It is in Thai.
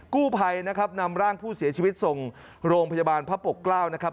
กู้ภัยนะครับนำร่างผู้เสียชีวิตส่งโรงพยาบาลพระปกเกล้านะครับ